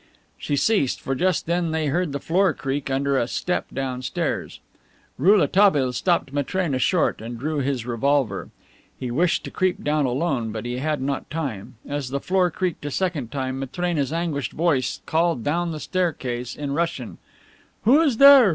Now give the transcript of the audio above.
She ceased, for just then they heard the floor creak under a step downstairs. Rouletabille stopped Matrena short and drew his revolver. He wished to creep down alone, but he had not time. As the floor creaked a second time, Matrena's anguished voice called down the staircase in Russian, "Who is there?"